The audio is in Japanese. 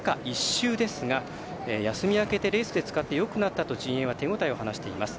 休み明けでレースで使ってよくなったと陣営は手応えを話しています。